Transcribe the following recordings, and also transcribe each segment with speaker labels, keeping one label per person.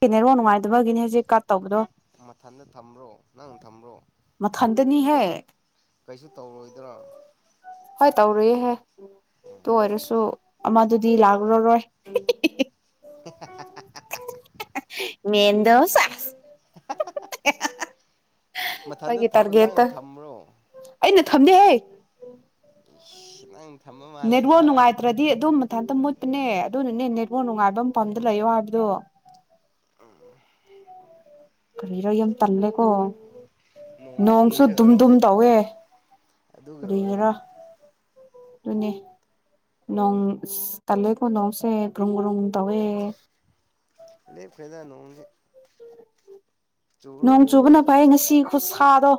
Speaker 1: network ꯅꯨꯡꯉꯥꯏꯇꯕꯒꯤꯅꯦ ꯍꯧꯖꯤꯛ ꯀꯠ ꯇꯧꯕꯗꯣ
Speaker 2: ꯃꯊꯟꯗ ꯊꯝꯕ꯭ꯔꯣ ꯅꯪ ꯊꯝꯕ꯭ꯔꯣ
Speaker 1: ꯃꯊꯟꯗꯅꯤ ꯍꯦ
Speaker 2: ꯀꯩꯁꯨ ꯇꯧꯔꯣꯏꯗ꯭ꯔꯥ
Speaker 1: ꯍꯣꯏ ꯇꯧꯔꯨꯏꯍꯦ ꯑꯗꯨ ꯑꯣꯏꯔꯁꯨ ꯑꯃꯗꯨꯗꯤ ꯂꯥꯛꯔꯔꯣꯏ
Speaker 2: [unintelligible]
Speaker 1: ꯃꯦꯜꯗꯣ ꯁꯦꯁ [unintelligible]
Speaker 2: ꯃꯊꯟꯗ
Speaker 1: ꯑꯩꯒꯤ
Speaker 2: ꯊꯝ ꯅꯪ
Speaker 1: ꯇꯥꯔꯒꯦꯠꯇ
Speaker 2: ꯊꯝꯕꯔꯣ
Speaker 1: ꯑꯩꯅ ꯊꯝꯗꯦꯍꯦ
Speaker 2: ꯁꯤ ꯅꯪ ꯊꯝꯕ ꯃꯥꯜꯂꯦꯗ
Speaker 1: ꯅꯦꯠꯋꯥꯔꯛ ꯅꯨꯡꯉꯥꯏꯇ꯭ꯔꯗꯤ ꯑꯗꯨꯝ ꯃꯊꯟꯇ ꯃꯨꯠꯄꯅꯦ ꯑꯗꯨꯅꯅꯦ ꯅꯦꯠꯋꯥꯛ ꯅꯨꯡꯉꯥꯏꯕ ꯃꯐꯝꯗ ꯂꯩꯌꯣ ꯍꯥꯏꯕꯗꯣ
Speaker 2: ꯎꯝ
Speaker 1: ꯀꯔꯤꯔꯣ ꯌꯥꯝ ꯇꯜꯂꯦꯀꯣ
Speaker 2: ꯅꯣꯡ
Speaker 1: ꯅꯣꯡꯁꯨ
Speaker 2: ꯊꯤꯟꯕꯒꯤ
Speaker 1: ꯗꯨꯝ ꯗꯨꯝ
Speaker 2: ꯑꯣꯏꯔꯝꯅꯤ
Speaker 1: ꯇꯧꯋꯦ
Speaker 2: ꯑꯗꯨꯒꯤ
Speaker 1: ꯀꯔꯤꯔ
Speaker 2: ꯑꯣꯏꯔꯝꯅꯤ
Speaker 1: ꯑꯗꯨꯅꯦ ꯅꯣꯡ ꯇꯜꯂꯦꯀꯣ ꯅꯣꯡꯁꯦ ꯒ꯭ꯔꯨꯝ ꯒ꯭ꯔꯨꯝ ꯇꯧꯑꯦ
Speaker 2: ꯂꯦꯞꯈꯔꯦꯗ ꯅꯣꯡꯗꯤ ꯆꯨꯔꯣꯏ
Speaker 1: ꯅꯣꯡ
Speaker 2: ꯅꯣꯡꯗꯤ
Speaker 1: ꯆꯨꯕꯅ ꯐꯩ ꯉꯁꯤ ꯈꯨꯁꯥ ꯁꯥꯗꯣ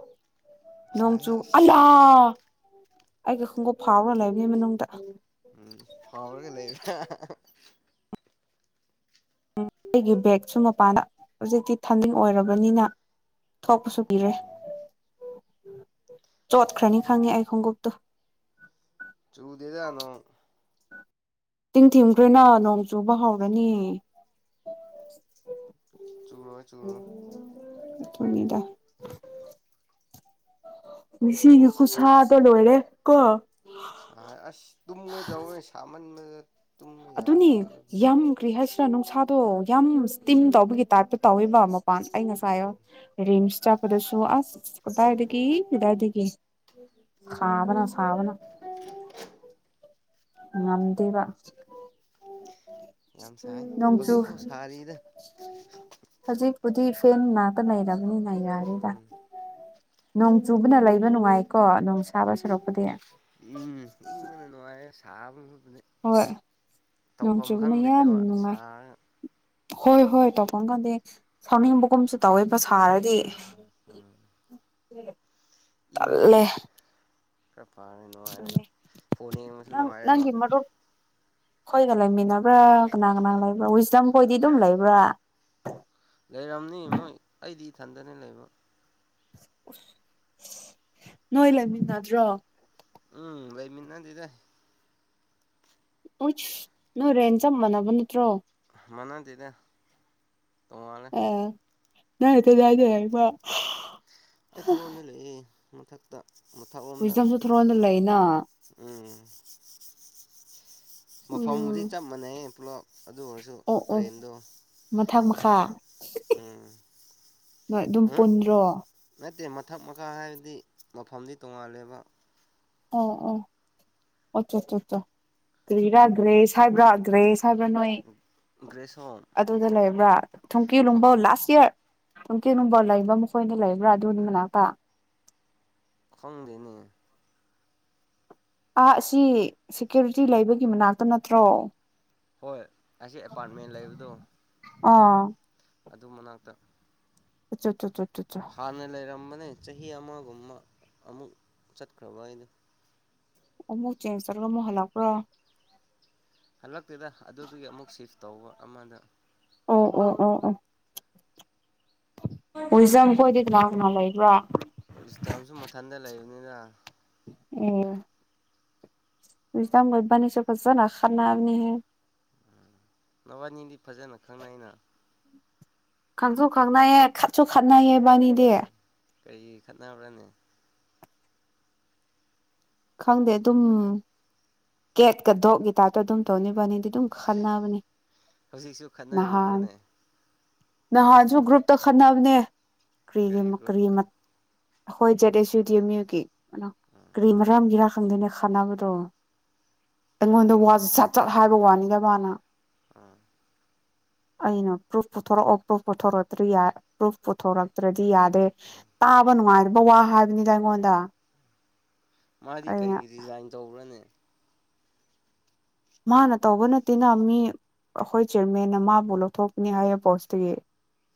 Speaker 2: ꯁꯥꯏꯍꯦ
Speaker 1: ꯅꯣꯡꯣꯡꯆꯨ
Speaker 2: ꯑꯁ
Speaker 1: ꯑꯌꯥ ꯑꯩꯒꯤ ꯈꯣꯡꯎꯞ ꯐꯧꯔ ꯂꯩꯕꯅꯦ ꯃꯅꯨꯡꯗ
Speaker 2: ꯎꯝ ꯐꯧꯔꯒ ꯂꯩꯕ
Speaker 1: ꯑꯩꯒꯤ ꯕꯦꯒꯁꯨ ꯃꯄꯥꯟꯗ ꯍꯧꯖꯤꯛꯇꯤ ꯊꯝꯗꯤꯡ ꯑꯣꯏꯔꯕꯅꯤꯅ ꯊꯣꯛꯄꯁꯨ ꯄꯤꯔꯦ
Speaker 2: ꯎꯝ
Speaker 1: ꯆꯣꯠꯈ꯭ꯔꯅꯤ ꯈꯪꯉꯦ ꯑꯩ ꯈꯣꯡꯎꯞꯇꯨ
Speaker 2: ꯆꯨꯗꯦꯗ ꯅꯣꯡ
Speaker 1: ꯇꯤꯡ ꯊꯤꯡꯈ꯭ꯔꯦꯅ ꯅꯣꯡ ꯆꯨꯕ ꯍꯧꯔꯅꯤ
Speaker 2: ꯆꯨꯔꯣ ꯆꯨꯔꯣ
Speaker 1: ꯊꯣꯡꯉꯗ ꯉꯁꯤꯒꯤ ꯈꯨꯁꯥꯗꯣ ꯂꯣꯏꯔꯦ ꯀꯣ
Speaker 2: ꯁꯥꯏ ꯑꯁ ꯇꯨꯝꯒꯦ ꯇꯧꯕꯅꯤ ꯁꯥꯃꯟ
Speaker 1: ꯑꯗꯨ ꯑꯗꯨꯅꯤ ꯌꯥꯝ ꯭ꯍꯁꯤ ꯆ ꯅꯅꯨꯡ ꯁꯥꯥꯗꯣ ꯌꯥꯝ ꯏꯁꯇꯤꯝ
Speaker 2: ꯎꯝ
Speaker 1: ꯇꯧꯕꯒꯤ ꯇꯥꯛ ꯇꯧꯏꯕ ꯑꯃꯨꯛ ꯥꯟ ꯑꯩ ꯉꯁꯥꯏꯣ
Speaker 2: ꯎꯝ
Speaker 1: ꯔꯤꯝꯁ ꯆꯄꯗꯁꯨ ꯑ ꯀꯗꯥꯗꯒ ꯏꯗꯥꯏꯗꯤꯒ
Speaker 2: ꯎꯝ
Speaker 1: ꯁꯥꯕꯅ ꯁꯕꯅ ꯉꯗꯦꯕ
Speaker 2: ꯌꯥꯝ ꯁꯥꯏ
Speaker 1: ꯅꯣꯡꯆꯨ
Speaker 2: ꯍꯧꯖꯤꯛꯐꯥꯎ ꯁꯥꯔꯤꯗ
Speaker 1: ꯍꯧꯖꯤꯛꯄꯨꯗꯤ ꯐꯦꯟ ꯅꯥ ꯅꯏꯔ ꯃꯤꯅ ꯌꯥꯔꯦꯗ
Speaker 2: ꯎꯝ
Speaker 1: ꯅꯣꯡ ꯆꯨꯕꯅ ꯂꯩꯕ ꯅꯨꯡꯉꯥꯏꯀꯣ ꯅꯣꯡ ꯁꯥꯕ ꯁꯨꯔꯛꯄꯗꯤ
Speaker 2: ꯊꯥꯕ
Speaker 1: ꯍꯣꯏ ꯅꯣꯡ ꯆꯨꯕꯅ ꯌꯥꯝ
Speaker 2: ꯈꯪꯗꯦꯕ
Speaker 1: ꯅꯨꯡꯉꯥꯏ
Speaker 2: ꯁꯥꯔꯒ
Speaker 1: ꯍꯣꯏ ꯍꯣꯏ ꯇꯧꯐꯝ ꯀꯥꯟꯗꯗꯤ ꯁꯥꯎꯅꯤꯡꯕꯒꯨꯝꯁꯨ ꯇꯧꯋꯦ ꯅ ꯁꯥꯔꯗꯤ ꯎꯝ
Speaker 2: ꯏꯃꯗꯤ ꯈꯔ ꯄꯥꯔꯅꯤ ꯅꯨꯡꯉꯥꯏꯔꯦ ꯐꯣꯟ ꯌꯦꯡꯕꯁꯨ ꯅꯨꯡꯉꯥꯏꯔꯦꯕ
Speaker 1: ꯀꯣꯏꯗꯂꯥꯏꯃꯤꯟꯅꯕ꯭ꯔꯥꯒꯅꯥꯒꯅꯥꯥꯡ ꯂꯥꯏꯕ꯭ꯔꯥ ꯎꯋꯏꯁꯤꯗꯪ ꯀꯣꯏꯗꯤ ꯑꯗꯨꯝ ꯂꯩꯕ꯭ꯔꯥ
Speaker 2: ꯆꯟꯗꯅꯦ ꯂꯩꯕ
Speaker 1: ꯅꯣꯏ ꯂꯩꯃꯤꯟꯅꯗ꯭ꯔꯣ
Speaker 2: ꯎꯝ ꯂꯩꯃꯤ ꯅꯗꯤꯗ
Speaker 1: ꯎ ꯅ ꯔꯦꯟꯦꯟꯖꯝ ꯃꯅꯕ ꯅꯠꯇ꯭ꯔꯣ
Speaker 2: ꯃꯅꯗꯦꯗ
Speaker 1: ꯑ ꯅꯇ ꯌꯥꯗ ꯍꯥꯏ
Speaker 2: ꯑꯩ ꯊꯔꯣꯟꯅ ꯂꯩ ꯃꯊꯛꯇ ꯃꯊꯛꯂꯣꯝꯗ
Speaker 1: ꯋꯤꯖꯝꯁꯨ ꯊꯣꯔꯅ ꯂꯩꯅ
Speaker 2: [unintelligible] ꯃꯐꯝꯐꯝ ꯃꯔꯤ
Speaker 1: ꯎꯝ
Speaker 2: ꯆꯞ ꯃꯅꯦ ꯍꯜꯂꯣ ꯑꯗꯨ ꯑꯣꯏꯔꯁꯨ ꯔꯦꯟꯗꯣ
Speaker 1: ꯊꯪ ꯃꯈꯥ
Speaker 2: ꯎꯝ
Speaker 1: ꯅꯣꯏ ꯑꯗꯨꯝ ꯄꯨꯟꯗ꯭ꯔꯣ
Speaker 2: ꯊꯛ ꯃꯈꯥ ꯍꯥꯏꯕꯗꯤ ꯃꯐꯝꯗꯤ ꯇꯣꯡꯉꯥꯜꯂꯦꯕ
Speaker 1: ꯑꯣ ꯑꯣ ꯑꯣ ꯀ꯭ꯔꯤꯔꯥꯒ꯭ꯔꯦꯁ ꯍꯥꯏꯕ꯭ꯔꯥꯒ꯭ꯔꯦꯁ ꯍꯥꯏꯕ ꯅꯣꯏ
Speaker 2: ꯒ꯭ꯔꯦꯁ
Speaker 1: ꯑꯗꯨꯗ ꯂꯩꯕ ꯋꯥ ꯊꯦꯡꯛꯀꯤꯌꯨ
Speaker 2: ꯍꯣꯝ
Speaker 1: ꯂꯣꯡꯕꯥꯣ ꯂꯥꯁ ꯏꯔ ꯅꯨꯡꯇꯤ ꯅꯨꯡꯕ ꯂꯩꯕ꯭ꯔ ꯃꯈꯣꯏꯅ ꯂꯩꯕ꯭ꯔꯥ ꯑꯗꯨꯒꯤ ꯃꯅꯥꯛꯇ
Speaker 2: ꯈꯪꯗꯦꯅꯦ
Speaker 1: ꯑꯥ ꯑꯁꯤ ꯁꯦꯀ꯭ꯌꯨꯔꯤꯇꯤ ꯂꯩꯕꯒꯤ ꯃꯅꯥꯛꯇ ꯅꯠꯇ꯭ꯔꯣ
Speaker 2: ꯍꯣꯏ ꯑꯁꯤ ꯑꯦꯄꯥꯔꯠꯃꯦꯟ ꯂꯩꯕꯗꯣ
Speaker 1: ꯑꯥ
Speaker 2: ꯑꯗꯨ ꯃꯅꯥꯛꯇ
Speaker 1: ꯑꯆꯥꯆꯥ
Speaker 2: ꯍꯥꯟꯅ ꯂꯩꯔꯝ ꯆꯍꯤ ꯑꯃꯒꯨꯝꯕ ꯑꯃꯨꯛ ꯆꯠꯈ꯭ꯔꯕ ꯍꯥꯏꯗꯣ
Speaker 1: ꯑꯃꯨꯛ ꯆꯦꯟꯖ ꯇꯧꯔꯒ ꯑꯃꯨꯛ ꯍꯜꯂꯛꯄ꯭ꯔꯣ
Speaker 2: ꯍꯜꯂꯛꯇꯦꯗ ꯑꯗꯨꯗꯒꯤ ꯑꯃꯨꯛ ꯁꯤꯐ ꯇꯧꯕ ꯑꯃꯗ
Speaker 1: ꯑꯣ ꯑꯣ ꯑꯣ ꯑꯣ ꯋꯤꯖꯝ ꯈꯣꯏꯗꯤ ꯂꯅ ꯂꯩꯕ꯭ꯔꯥ
Speaker 2: ꯏꯁꯇꯝꯁꯨ ꯃꯊꯟꯇ ꯂꯩꯕꯅꯤꯅ
Speaker 1: ꯑ ꯗ ꯃꯕꯥꯅꯤ ꯆꯄꯖꯅ ꯈꯥꯟꯅꯥ ꯑꯃꯅꯤꯅꯤ ꯍꯥꯏ
Speaker 2: ꯊꯕꯥꯅꯤꯗꯤ ꯐꯖꯅ ꯈꯪꯅꯏꯅ
Speaker 1: ꯈꯪꯁꯨꯣ ꯈꯪꯅꯌꯦ ꯈꯠꯆꯣ ꯈꯥꯅꯌꯦꯕꯥꯅꯤ ꯗꯦ
Speaker 2: ꯀꯔꯤ ꯈꯠꯅꯅꯕ꯭ꯔꯅꯦ
Speaker 1: ꯈꯪꯗꯦ ꯑꯗꯨꯝ ꯀꯦꯠꯀ ꯗꯣꯛꯀꯤ ꯇꯥꯏꯞꯇ ꯑꯗꯨꯝ ꯇꯣꯅꯤꯕꯥꯅꯤꯗꯤ ꯑꯗꯨꯝ ꯈꯟꯅꯕꯅꯦ
Speaker 2: ꯍꯧꯖꯤꯛꯁꯨ
Speaker 1: ꯅꯍꯥꯟ
Speaker 2: ꯈꯠꯅꯔꯤꯕ꯭ꯔꯣꯅꯦ
Speaker 1: ꯅꯍꯥꯟꯁꯨ ꯒ꯭ꯔꯨꯞꯇ ꯈꯠꯅꯕꯅꯦ
Speaker 2: ꯀꯔꯤ
Speaker 1: ꯀ
Speaker 2: ꯒ꯭ꯔꯨꯞꯇ
Speaker 1: ꯀ꯭ꯔꯤꯃ ꯍꯣꯏꯖꯗꯦꯁꯨ꯭ꯨꯇꯃꯤꯌꯀꯤ ꯅ
Speaker 2: ꯑꯥ
Speaker 1: ꯀ꯭ꯔꯤꯃ ꯔꯔꯝꯒꯤꯔ ꯈꯪꯗꯅ ꯈꯅꯅꯕꯗꯣ ꯑꯩꯉꯣꯟꯗ
Speaker 2: ꯈꯪꯗꯦꯅꯦ
Speaker 1: ꯋꯥꯁꯦ ꯆꯠ ꯆꯠ ꯍꯥꯏꯕ ꯋꯥꯅꯤ ꯗ ꯃꯥꯅ
Speaker 2: ꯑ
Speaker 1: ꯑꯩꯅ꯭ꯔꯣ ꯄꯨꯣꯔꯛꯑꯣ ꯄ꯭ꯔꯨꯐ ꯄꯨꯊꯣꯔꯛꯇ꯭ꯔꯤ ꯌꯥꯏ ꯄ꯭ꯔꯨꯐ ꯄꯨꯊꯣꯔꯛꯇ꯭ꯔꯗꯤ ꯌꯥꯗꯦ ꯇꯥꯕꯅꯅꯨꯡ ꯋꯥ ꯕꯋꯥ ꯍꯥꯏꯕꯅꯤꯗ ꯑꯩꯉꯣꯟꯗ
Speaker 2: ꯃꯥꯗꯤ
Speaker 1: ꯑꯩꯅ
Speaker 2: ꯀꯩꯒꯤ ꯗꯤꯖꯥꯏꯟ ꯇꯧꯕ꯭ꯔꯅꯦ
Speaker 1: ꯃꯥꯅ ꯇꯧꯕ ꯅꯠꯇꯦꯅ ꯃꯤ ꯑꯩꯈꯣꯏ ꯆꯤꯌꯔꯃꯦꯟꯅ ꯃꯥꯕꯨ ꯂꯧꯊꯣꯛꯄꯅꯤ ꯍꯥꯏꯌꯦ ꯄꯣꯁꯇꯨꯒꯤ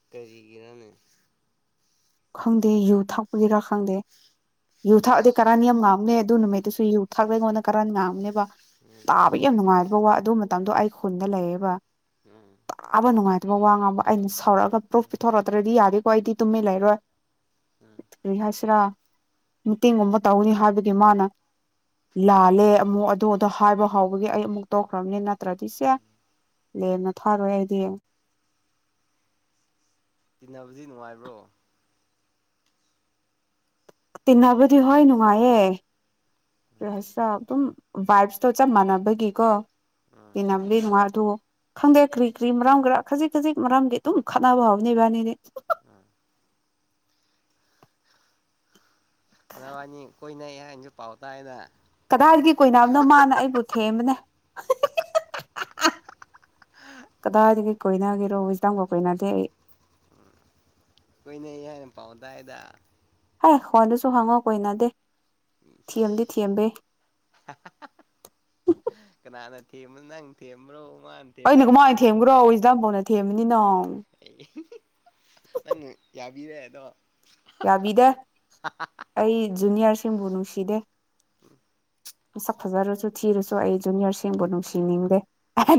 Speaker 2: ꯀꯔꯤꯒꯤꯔꯅꯦ
Speaker 1: ꯈꯪꯗꯦ ꯌꯨ ꯊꯛꯄꯒꯤꯔ ꯈꯪꯗꯦ ꯌꯨ ꯊꯥꯛꯗꯤ ꯀꯔꯥꯅꯤ ꯌꯥꯝ ꯉꯥꯝꯅꯦ ꯑꯗꯨ ꯅꯨꯃꯤꯠꯇꯨꯁꯨ ꯌꯨ ꯊꯥꯛꯗ ꯑꯩꯉꯣꯟꯗ ꯀꯔ ꯉꯥꯡꯝꯅꯦꯕ ꯇꯥꯕ ꯌꯥꯝꯅꯅꯨꯡꯉꯥꯏꯔꯕꯣ ꯑꯗꯨ ꯃꯇꯝꯗꯣ ꯑꯩ ꯈꯨꯟꯗ ꯂꯩꯌꯦꯕ ꯑꯕ ꯅꯨꯡꯉꯥꯏ ꯑꯗꯨꯃ ꯋꯥ ꯉꯥꯡꯕ ꯑꯩꯅ ꯁꯧꯔꯛꯑꯒ ꯄ꯭ꯔꯐ ꯄꯤꯊꯣꯔꯛꯇ꯭ꯔꯗꯤ ꯌꯥꯗꯦꯀꯣ ꯑꯩꯗꯤ ꯇꯨꯝꯃꯤ ꯂꯩꯔꯣꯏ ꯔꯤꯍꯥꯁ꯭ꯔꯥ ꯃꯇꯇꯦꯡꯒꯨꯝꯕ ꯇꯧꯅꯤ ꯍꯥꯏꯕꯒꯤ ꯃꯥꯅ ꯂꯥꯜꯂꯦ ꯑꯃꯨꯛ ꯑꯗꯨ ꯑꯗ ꯍꯥꯏꯕ ꯍꯥꯎꯕꯒꯤ ꯑꯩ ꯑꯃꯨꯛ ꯇꯧꯈ꯭ꯔꯕꯅꯤ ꯅꯠꯇ꯭ꯔꯗꯤ ꯁꯦ ꯂꯦꯝꯅ ꯊꯥꯔꯣꯏ ꯑꯩꯗꯤꯡꯉ
Speaker 2: ꯇꯤꯟꯅꯕꯁꯤ ꯅꯨꯡꯉꯥꯏꯕ꯭ꯔꯣ
Speaker 1: ꯇꯤꯟꯅꯕꯗꯤ ꯍꯣꯏ ꯅꯨꯡꯉꯥꯏꯌꯦꯦꯁ ꯑꯗꯨꯝ ꯚꯥꯏꯞꯁꯇꯣ ꯆꯞ ꯃꯥꯟꯅꯕꯒꯤꯀꯣ
Speaker 2: ꯎꯝ
Speaker 1: ꯏ ꯅꯝꯂꯤ ꯃꯥꯗꯨ ꯈꯪꯗꯦ ꯀ꯭ꯔꯤ ꯀ꯭ꯔꯤ ꯃꯔꯝ ꯈꯔꯥ ꯈꯖꯤꯛ ꯈꯖꯤꯛ ꯃꯔꯝꯒꯤ ꯑꯗꯨꯝ ꯈꯠꯅꯕ ꯐꯥꯎꯕꯅꯦ ꯕꯥꯅꯤꯗꯤ
Speaker 2: ꯎꯝ ꯋꯥꯅꯤ ꯀꯣꯏ ꯅ ꯄꯥꯎꯗ
Speaker 1: ꯀꯗꯥꯏꯗꯒꯤ ꯀꯣꯏꯅꯥꯝꯅꯣ ꯃꯥꯅ ꯑꯩꯕꯨ ꯊꯦꯝꯕꯅꯦ
Speaker 2: ꯑ
Speaker 1: ꯀꯗꯥꯏꯗꯒꯤ ꯀꯩ ꯀꯣꯏꯅꯒꯦꯔꯣ ꯍꯧꯖꯤ ꯇꯪꯒ ꯀꯣꯏꯅꯗꯦ ꯑꯩ
Speaker 2: ꯀꯣꯏꯏꯅ ꯍꯥꯏꯅ ꯄꯥꯎꯗꯥꯏꯗ
Speaker 1: ꯍ ꯍꯣꯏꯗꯁꯨ ꯍꯪꯉꯣ ꯀꯨꯏꯅꯗꯦ ꯊꯤꯑꯝꯗꯤ ꯊꯤꯑꯕ
Speaker 2: ꯀꯦꯃ ꯅꯪ ꯇꯦꯕ꯭ꯔꯣ
Speaker 1: ꯑꯩꯅꯀ ꯃꯥꯏ ꯊꯦꯝꯒ꯭ꯔꯣ ꯍꯗꯥ ꯐꯧꯅ ꯊꯦꯝꯕꯅꯤꯅꯣ
Speaker 2: ꯑꯩ ꯅꯪ ꯌꯥ ꯏꯔꯦꯗꯣ
Speaker 1: ꯌꯥꯕꯤꯗꯦ ꯑꯩ ꯖꯨꯅꯤꯌꯔꯁ ꯁꯤꯕꯨ ꯅꯨꯡꯁꯤꯗꯦ ꯃꯁꯛ ꯐꯖꯔꯁꯨ ꯊꯤꯔꯨꯁꯨ ꯑꯩ ꯖꯨꯅꯤꯌꯔꯁꯤꯡꯕꯨ ꯅꯨꯡꯁꯤꯅꯤꯡꯗꯦ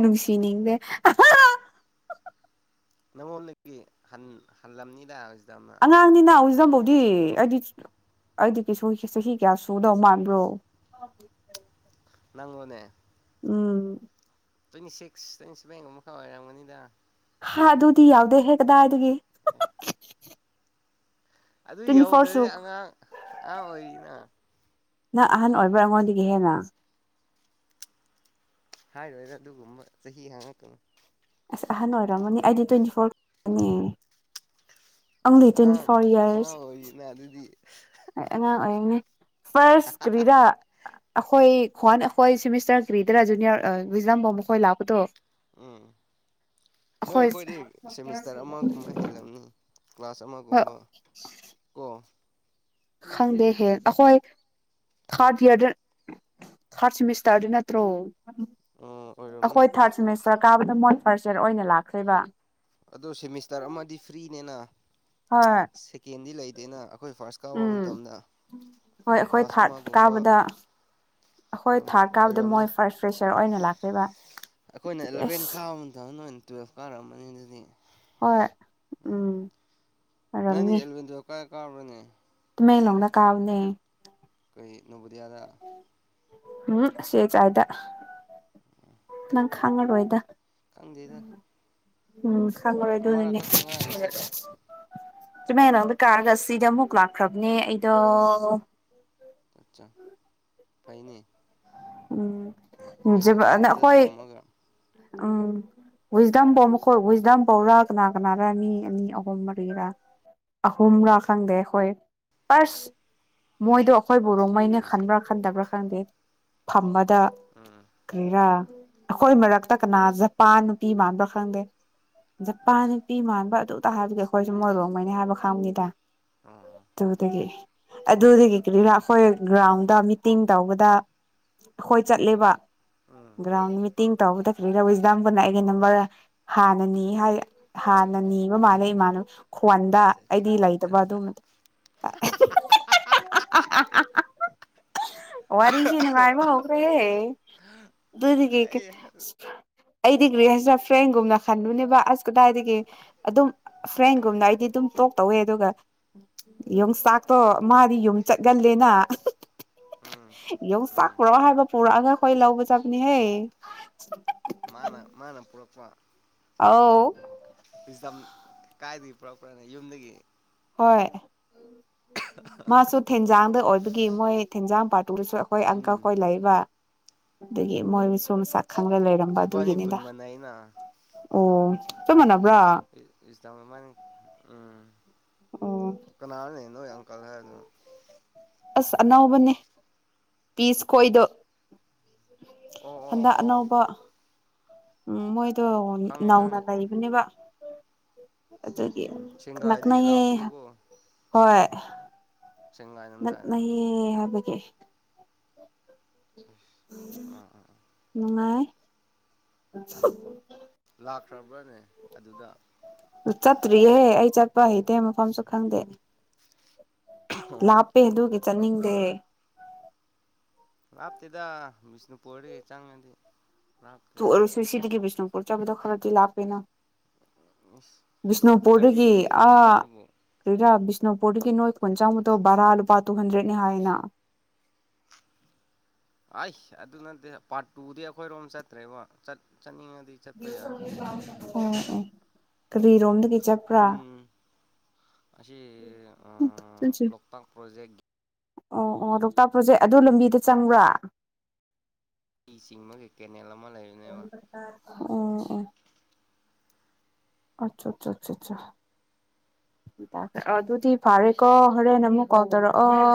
Speaker 1: ꯅꯨꯡꯁꯤꯅꯤꯡꯗꯦ
Speaker 2: ꯅꯪꯉꯣꯟꯗꯒꯤ ꯍꯥꯟꯂꯝꯅꯤꯗ
Speaker 1: ꯑꯉꯥꯡꯅꯤ ꯅꯎꯖꯝꯕꯧ ꯑꯩꯗꯤ ꯑꯩꯗꯤ ꯀ ꯆꯍꯤ ꯀꯌꯥ ꯁꯨꯗꯧ ꯃꯥꯟꯕ꯭ꯔꯣ
Speaker 2: ꯅꯪ ꯑꯣꯏꯅꯦꯦ
Speaker 1: ꯎꯝ
Speaker 2: ꯇ꯭ꯋꯦꯟꯇꯤ ꯁꯤꯛꯁ ꯇ꯭ꯋꯦꯟꯇꯤ ꯁꯤꯚꯦꯟꯒ ꯑꯃꯨ ꯈꯛ ꯑꯣꯏꯔꯝꯒꯅꯤꯗ
Speaker 1: ꯍꯥ ꯑꯗꯨꯗꯤ ꯌꯥꯎꯗꯦ ꯍꯦꯛ ꯀꯗꯥꯏ ꯑꯗꯨꯒꯤ
Speaker 2: [unintelligible]
Speaker 1: [unintelligible]
Speaker 2: ꯑꯗꯨ
Speaker 1: ꯇ꯭ꯋꯦꯟꯇꯤ
Speaker 2: ꯌꯧꯗ꯭ꯔꯗꯤ
Speaker 1: ꯐꯣꯔꯁꯨ
Speaker 2: ꯑꯉꯥꯡ ꯑꯉꯥꯡ ꯑꯣꯏꯔꯤꯅ
Speaker 1: ꯅꯪ ꯑꯍꯟ ꯑꯣꯏꯕ꯭ꯔꯥ ꯑꯩꯉꯣꯟꯗꯒꯤ ꯍꯦꯟꯅ
Speaker 2: ꯍꯥꯏꯔꯣꯏꯗ ꯑꯗꯨꯒꯨꯝꯕ ꯆꯍꯤ ꯍꯥꯡꯉꯛꯀꯅꯤ
Speaker 1: ꯑꯁ ꯑꯍꯟ ꯑꯣꯏꯔꯝꯃꯅꯤ ꯑꯩꯗꯤ ꯇ꯭ꯋꯦꯟꯇꯤ ꯐꯣꯔ ꯈꯇꯪꯅꯤ ꯑꯪꯂꯤ
Speaker 2: ꯑ
Speaker 1: ꯇ꯭ꯋꯦꯟꯇꯤ
Speaker 2: ꯑꯉꯥꯡ ꯑꯣꯏꯔꯤꯅ ꯑꯗꯨꯗꯤ
Speaker 1: ꯑꯉꯥꯡ ꯑꯣꯏꯔꯤ ꯐꯥꯔꯁ ꯀ꯭ꯔꯤꯔꯥ ꯑꯩꯈꯣꯏ ꯈ꯭ꯋꯥꯟ ꯑꯩꯈꯣꯏ ꯁꯦꯃꯤꯁꯇꯔ ꯀ꯭ꯔꯤꯗꯔꯥ ꯖꯨꯅꯤꯌꯔ ꯋꯛꯖꯥꯐꯣ ꯃꯈꯣꯏ ꯂꯥꯛꯄꯗꯣ
Speaker 2: ꯎꯝ ꯅꯣꯏ
Speaker 1: ꯑꯩꯈꯣꯏ
Speaker 2: ꯑꯩꯈꯣꯏꯗꯤ ꯁꯦꯃꯤꯁꯇꯔ ꯑꯃꯒꯨꯝꯕ ꯍꯦꯜꯂꯝꯅꯤ ꯀ꯭ꯂꯥꯁ
Speaker 1: ꯍꯣꯏ
Speaker 2: ꯑꯃꯒꯨꯝꯕ ꯀꯣ
Speaker 1: ꯈꯪꯗꯦ ꯍꯦ ꯑꯩꯈꯣꯏ ꯊꯥꯔꯠ ꯏꯌꯥꯔꯗ ꯊꯥꯔꯠ ꯁꯦꯃꯤꯁꯇꯔꯗ ꯅꯠꯇ꯭ꯔꯣ
Speaker 2: ꯑꯣꯏꯔꯝꯅꯤ
Speaker 1: ꯑꯩꯈꯣꯏ ꯊꯥꯔꯠ ꯁꯦꯃꯦꯁꯇꯔ ꯀꯥꯕꯗ ꯃ ꯐꯔꯆꯔ ꯑꯣꯏꯅ ꯂꯥꯛꯈ꯭ꯔꯦꯕ
Speaker 2: ꯑꯗꯣ ꯁꯦꯃꯤꯁꯇꯔ ꯑꯃꯗꯤ ꯐ꯭ꯔꯤꯅꯦꯅ
Speaker 1: ꯍꯣꯏ
Speaker 2: ꯁꯦꯀꯦꯟꯗꯤ ꯂꯩꯇꯦꯅ ꯑꯩꯈꯣꯏ ꯐꯥꯔꯁ ꯀꯥꯕ
Speaker 1: ꯎꯝ
Speaker 2: ꯃꯇꯝꯗ
Speaker 1: ꯍꯣꯏ ꯑꯩꯈꯣꯏ
Speaker 2: ꯀ꯭ꯂꯥꯁ
Speaker 1: ꯊꯥꯔꯠ
Speaker 2: ꯑꯃꯒꯨꯝꯕ
Speaker 1: ꯀꯥꯕꯗ ꯑꯩꯈꯣꯏ ꯊꯥꯔꯠ ꯀꯥꯕꯗ ꯃꯣꯏ
Speaker 2: ꯑꯣꯏꯔꯝꯅꯤ
Speaker 1: ꯐꯥꯔꯁ ꯐ꯭ꯔꯦꯁꯔ ꯑꯣꯏꯅ ꯂꯥꯛꯄꯤꯔꯤꯕ
Speaker 2: ꯑꯩꯈꯣꯏꯅ ꯑꯦꯂꯚꯦꯟ ꯈꯥꯕ ꯑꯃꯗ ꯍ ꯇꯨꯋꯐ ꯀꯥꯔꯅꯤ
Speaker 1: ꯍꯣꯏ ꯎꯝ
Speaker 2: ꯅꯪꯗꯤ
Speaker 1: ꯑꯣꯏꯔꯝꯅꯤ
Speaker 2: ꯑꯦꯂꯥꯕꯦꯟ ꯇꯤꯋꯦꯞ ꯀꯥꯏꯗ ꯀꯥꯔꯕ꯭ꯔꯅꯦ
Speaker 1: ꯂꯧꯅ ꯀꯥꯥꯕꯅꯦ
Speaker 2: ꯅꯕꯣꯗꯤꯌꯥꯗ
Speaker 1: [unintelligible] ꯈꯥꯡꯉꯔꯣꯏꯗꯥ
Speaker 2: ꯀꯪꯗꯦꯗ
Speaker 1: ꯎꯝ ꯈꯪꯉꯥꯔꯣꯏ ꯑꯗꯨꯅꯥꯅꯦ
Speaker 2: ꯆꯠꯄ
Speaker 1: ꯇꯥꯃꯦꯂꯣꯡꯗ ꯀꯥꯔꯒ ꯁꯤꯗꯤ ꯑꯃꯨꯛ ꯂꯥꯛꯈ꯭ꯔꯕꯅꯦ ꯑꯩ ꯑꯣ
Speaker 2: ꯑꯆꯥ ꯐꯥꯏꯅꯦ
Speaker 1: ꯎꯝ
Speaker 2: ꯀꯣꯂꯦꯖ
Speaker 1: ꯖꯤꯕꯅ
Speaker 2: ꯑꯐꯥꯕꯗ
Speaker 1: ꯑꯩꯈꯣꯏ
Speaker 2: ꯇꯝꯃꯒ
Speaker 1: ꯎꯝ ꯋꯨꯏꯁꯗꯝ ꯗ ꯃꯈꯣꯏ ꯋꯨꯏꯤꯁꯗꯝ ꯐꯧꯔꯥ ꯀꯅꯥ ꯀꯅꯥꯔꯥ ꯃꯤ ꯑꯅꯤ ꯑꯍꯨꯝ ꯃꯔꯤꯔꯥ ꯑꯍꯨꯝꯔꯥ ꯈꯪꯗꯦ ꯑꯩꯈꯣꯏ ꯐꯥꯔꯁ ꯃꯣꯏꯗꯣ ꯑꯩꯕꯨ ꯔꯣꯡꯃꯩꯅꯦ
Speaker 2: ꯎꯝ
Speaker 1: ꯈꯟꯕ꯭ꯔꯥ ꯈꯟꯗꯕ꯭ꯔꯥ ꯈꯥꯟꯗꯦ ꯐꯃ ꯇ
Speaker 2: ꯎꯝ
Speaker 1: ꯀꯔꯤꯔꯥ ꯑꯩꯈꯣꯏ ꯃꯔꯛꯇ ꯀꯅꯥ ꯖꯄꯥꯟ ꯅꯨꯄꯤ ꯃꯥꯟꯕ꯭ꯔꯥ ꯈꯪꯗꯦ ꯖꯄꯥꯟ
Speaker 2: ꯎꯝ
Speaker 1: ꯅꯨꯄꯤ ꯃꯥꯟꯕ ꯑꯗꯨ ꯑ ꯍꯥꯏꯕꯦ ꯑꯩꯈꯣꯏꯁꯨ ꯃꯣꯏꯣꯔꯣꯛ ꯃꯅꯤ ꯍꯥꯏꯕ ꯈꯪꯉꯅꯤꯗ
Speaker 2: ꯑꯣ
Speaker 1: ꯇꯗꯒꯤꯗꯒꯤ ꯑꯗꯨꯗꯤ ꯀꯔꯤ ꯀꯔꯤꯔꯥ ꯑꯩꯈꯣꯏ ꯒ꯭ꯔꯥꯎꯟꯗ ꯃꯤꯇꯤꯡ ꯇꯧꯕꯗ ꯍꯈꯣꯏ ꯆꯠꯂꯦꯕ
Speaker 2: ꯎꯝ
Speaker 1: ꯭ꯔꯥꯎꯟ ꯃꯤꯇ ꯇꯧꯕꯗꯔꯤ ꯔꯁꯗꯥꯝ ꯄꯨꯟꯅ ꯑꯩꯒꯤ ꯅꯝꯕꯔ ꯍꯥꯟꯅꯅꯤ ꯍꯥꯏ ꯍꯥꯟꯅ ꯅꯤꯕ ꯃꯥꯜꯂꯦ ꯏꯃꯥꯅꯕ ꯈꯣꯟꯗ ꯑꯩꯗꯤ ꯂꯩꯇꯕ ꯑꯗꯨꯝꯕꯗꯣ ꯋꯥꯔꯤ ꯕꯈ꯭ꯔꯦꯒꯤ ꯀ ꯑꯩꯗꯤ ꯒ꯭ꯔꯤꯁꯤꯅ ꯐ꯭ꯔꯦꯡꯒꯨꯝꯅ ꯈꯟꯂꯨꯅꯦꯕ ꯑꯁ ꯀꯗꯥꯏꯗꯒꯤ ꯑꯗꯨꯝ ꯐ꯭ꯔꯦꯡꯒꯨꯝꯅ ꯑꯩꯗꯤ ꯑꯗꯨꯝ ꯇꯣꯛ ꯇꯧꯋꯦ ꯑꯗꯨꯒ ꯌꯣꯡꯆꯥꯛꯇꯣ ꯃꯥꯗꯤ ꯌꯨꯝ ꯆꯠꯒꯜꯂꯦꯅ
Speaker 2: ꯎꯝ ꯎꯝ
Speaker 1: ꯌꯣꯡꯆꯥꯛꯈ꯭ꯔꯣ ꯍꯥꯏꯕ ꯄꯨꯔꯛꯑꯒ ꯑꯩꯈꯣꯏ ꯂꯧꯕ ꯆꯠꯄꯅꯤꯍꯦ
Speaker 2: ꯃꯥꯅꯦ ꯃꯥꯅꯦ ꯄꯨꯂꯄ
Speaker 1: ꯑꯥꯎ
Speaker 2: ꯀꯥꯏꯗꯒꯤ ꯄꯨꯔꯛꯄꯅ ꯌꯨꯝꯗꯒꯤ
Speaker 1: ꯍꯣꯏ ꯃꯥꯁꯨ ꯊꯦꯟꯖꯥꯡꯗ ꯑꯣꯏꯕꯒꯤ ꯃꯣꯏ ꯊꯦꯟꯖꯥꯡ ꯄꯥꯇꯨꯗꯁꯨ ꯑꯩꯈꯣꯏ
Speaker 2: ꯎꯝ
Speaker 1: ꯑꯪꯀꯈꯣꯏ ꯂꯩꯕ ꯑꯗꯒꯤ ꯃꯣꯏ ꯁꯣ ꯁꯥ ꯈꯪꯅ ꯂꯩꯔꯝꯕ
Speaker 2: ꯏꯕꯥꯅꯤ ꯈꯨꯟ
Speaker 1: ꯑꯗꯨꯒꯤꯅꯤꯗ
Speaker 2: ꯃꯥꯟꯅꯩꯅ
Speaker 1: ꯑꯣ ꯊꯃꯅ
Speaker 2: ꯏꯁꯗ ꯎꯝ
Speaker 1: ꯑꯣ
Speaker 2: ꯀꯅꯥꯜ ꯂꯩ ꯅꯣꯏ ꯑꯪꯀꯜ ꯍꯥꯏꯗꯅ
Speaker 1: ꯑꯁ ꯑꯅꯧꯕꯅꯦ ꯄꯤꯁ ꯈꯣꯏꯗꯣ
Speaker 2: ꯑꯣ ꯑꯣ
Speaker 1: ꯍꯟꯗꯛ
Speaker 2: ꯑꯣ ꯑꯣ
Speaker 1: ꯑꯅꯧꯕ ꯎꯝ ꯃꯣꯏ ꯇꯣ
Speaker 2: ꯈꯪꯉꯦ
Speaker 1: ꯅꯅꯥꯧꯅꯥ
Speaker 2: ꯈꯪꯉꯦ
Speaker 1: ꯂꯩꯕꯅꯦꯕ ꯑꯗꯨꯗꯤ ꯅꯅꯥ
Speaker 2: ꯁꯦꯡꯒꯥꯏꯗꯒꯤ ꯂꯥꯛꯄꯗꯣꯀꯣ
Speaker 1: ꯍꯣꯏ [unintelligible]
Speaker 2: ꯁꯦꯡꯒꯥꯏ ꯂꯝꯗꯥꯏꯅꯦ ꯎꯝ
Speaker 1: ꯅꯌꯦ ꯍꯥꯏꯕꯒ
Speaker 2: ꯑ ꯑꯥ ꯑꯥ
Speaker 1: [unintelligible]
Speaker 2: ꯂꯥꯛꯈ꯭ꯔꯕ꯭ꯔꯅꯦ ꯑꯗꯨꯗ
Speaker 1: ꯆꯠꯇ꯭ꯔꯤꯌꯦ ꯑꯩ ꯆꯠꯄ ꯍꯩꯇꯦ ꯃꯐꯝꯁꯨ ꯈꯪꯗꯦꯅꯦ ꯂꯥꯞꯄꯦ ꯑꯗꯨ ꯆꯟꯅꯗꯦ
Speaker 2: ꯂꯥꯞꯇꯦꯗ ꯕꯤꯁꯅꯨꯄꯨꯔꯗꯒꯤ ꯆꯪꯉꯗꯤ ꯂꯥꯞꯇꯦ
Speaker 1: ꯇꯨ ꯑꯣꯏꯔꯁꯨ ꯁꯤꯗꯒꯤ ꯕꯤꯁ ꯄꯨ ꯆꯕ ꯈꯔ ꯆ ꯂꯥꯛꯄꯦꯅ
Speaker 2: ꯏꯁ ꯊꯥꯔꯇꯤ
Speaker 1: ꯕꯤꯁꯅꯨꯄꯨꯔꯗꯒꯤ
Speaker 2: ꯃꯤꯅꯤꯠꯁꯀꯨꯝꯕ
Speaker 1: ꯑꯥ
Speaker 2: ꯈꯛꯇꯕꯨ
Speaker 1: ꯀꯔꯤꯔꯥ ꯏꯁꯅꯣꯄꯣꯠꯇꯒꯤ ꯅꯣꯏꯠ ꯀꯨꯟ ꯆꯥꯃꯨꯗꯣ ꯕꯔꯥ ꯂꯨꯄꯥ ꯇꯨ ꯍꯟꯗ꯭ꯔꯦꯠꯅꯦ ꯍꯥꯏꯅ
Speaker 2: ꯑꯩ ꯑꯗꯨ ꯅꯠꯇꯦ ꯄꯥꯔꯠ ꯇꯨꯗꯤ ꯑꯩꯈꯣꯏꯔꯣꯝ ꯆꯠꯇ꯭ꯔꯦꯕꯠ ꯆꯠꯅꯤꯡꯉ
Speaker 1: [inaudible] ꯑꯣ ꯀꯔꯤꯔꯣꯝꯗꯒꯤ ꯆꯖꯞꯄ꯭ꯔꯥ
Speaker 2: ꯈꯨꯟ ꯑꯁꯤ ꯑꯁꯤ ꯂꯇꯥꯛ ꯄꯣꯖꯦꯛꯦꯛꯦ
Speaker 1: ꯑꯣ ꯑꯣ ꯂꯣꯛꯇꯥꯛ ꯄ꯭ꯔꯣꯖꯦꯛ ꯑꯗꯨ ꯂꯝꯕꯤꯗ ꯆꯪꯕ꯭ꯔꯥ
Speaker 2: ꯏ ꯆꯤꯡꯕꯒꯤ ꯀꯦꯅꯦꯜ ꯑꯃ ꯂꯩꯕꯅꯦꯕ
Speaker 1: ꯑꯣ ꯑꯣ ꯑꯆꯥ ꯆꯥ ꯆꯥ ꯆꯥ ꯆꯥ ꯑ ꯑꯗꯨꯗꯤ ꯐꯔꯦꯀꯣ ꯍꯣꯔꯦꯟ ꯑꯃꯨꯛ ꯀꯣꯜ ꯇꯧꯔꯛꯑꯣ